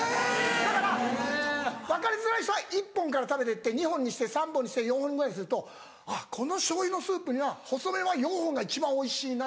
だから分かりづらい人は１本から食べてって２本にして３本にして４本ぐらいにするとあっこの醤油のスープには細麺は４本が一番おいしいなとか。